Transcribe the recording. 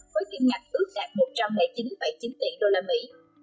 đạt một trăm linh chín chín tỷ đô la mỹ